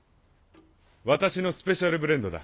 私のスペシャルブレンドだ。